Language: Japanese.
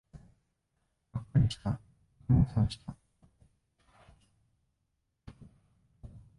がっかりした、とても損した